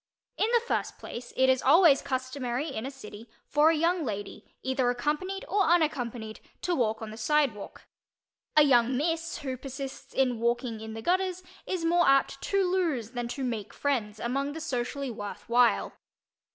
In the first place, it is always customary in a city for a young lady, either accompanied or unaccompanied, to walk on the sidewalk. A young "miss" who persists in walking in the gutters is more apt to lose than to make friends among the socially "worth while."